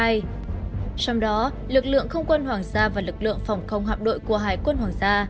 trong đó lực lượng không quân hoàng gia và lực lượng phòng không hạm đội của hải quân hoàng gia